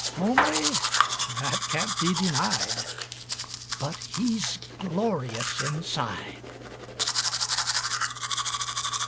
Homely? That can't be denied. But he's glorious inside.